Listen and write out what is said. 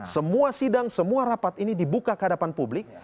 semua sidang semua rapat ini dibuka ke hadapan publik